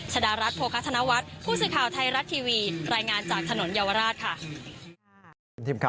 ชดารัฐโพคะธนวัฒน์ผู้สื่อข่าวไทยรัฐทีวี